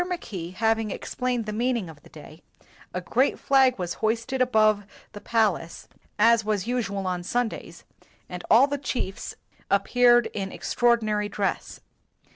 Mackay having ex plained the meaning of the day, a great flag was hoisted above the palace, as was usual on Sundays, and all the chiefs appeared in extraordinary dress.